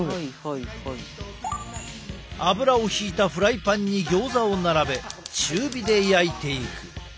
油をひいたフライパンにギョーザを並べ中火で焼いていく。